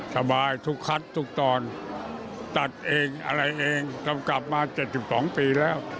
สบายทุกคัดทุกตอนตัดเองอะไรเองกำกลับมา๗๒ปีแล้ว